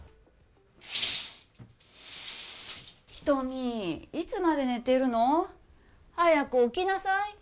ひとみ、いつまで寝てるの。早く起きなさい。